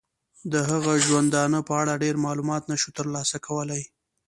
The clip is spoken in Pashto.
د هغه د ژوندانه په اړه ډیر معلومات نشو تر لاسه کولای.